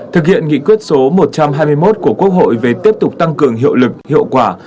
thực hiện nghị quyết số một trăm hai mươi một của quốc hội về tiếp tục tăng cường hiệu lực hiệu quả